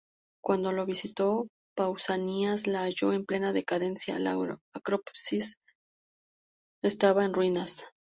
Cuando la visitó Pausanias la halló en plena decadencia; la acrópolis estaba en ruinas.